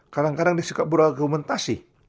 kadang kadang dia suka berargumentasi